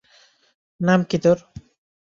নাম কী তোর?